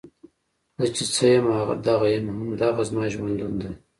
زۀ چې څۀ يم هم دغه يم، هـــم دغه زمـا ژونـد ون دی